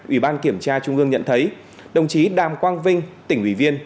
ủy ban kiểm tra trung ương nhận thấy đồng chí đàm quang vinh tỉnh ủy viên